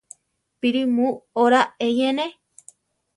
¿Píri mu oraa eyene?